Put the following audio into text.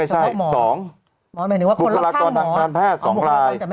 หมอหมายถึงว่าคนรักษาหมอบุคลักษณ์แพทย์๒ราย